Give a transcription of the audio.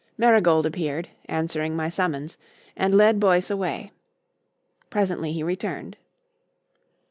Marigold appeared, answering my summons, and led Boyce away. Presently he returned.